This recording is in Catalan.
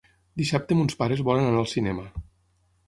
Dissabte mons pares volen anar al cinema.